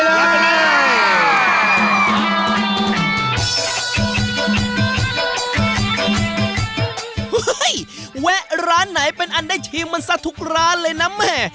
แวะร้านไหนเป็นอันได้ชิมมันซะทุกร้านเลยนะแม่